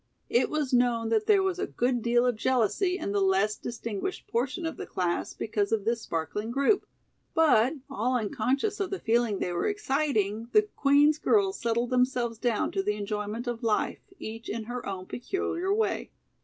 It was known that there was a good deal of jealousy in the less distinguished portion of the class because of this sparkling group. But, all unconscious of the feeling they were exciting, the Queen's girls settled themselves down to the enjoyment of life, each in her own peculiar way.